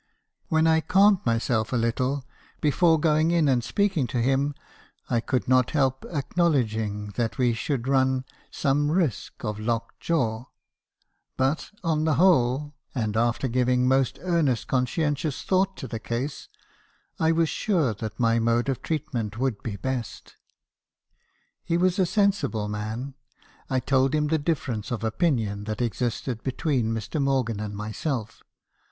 When I calmed myself a little , before going in and speaking to him, I could not help acknowledging that we should run some risk of locked jaw; but, on the whole, and after giving most earnest conscientious thought to the case , I was sure that my mode of treatment would be best. "He was a sensible man. I told him the difference of opinion 284 MR. HARBISON* S CONFESSIONS. that existed between Mr. Morgan and myself.